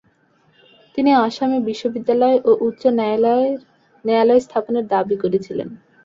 তিনি অসমে বিশ্ববিদ্যালয় ও উচ্চ ন্যায়ালয় স্থাপনের দাবি করেছিলেন।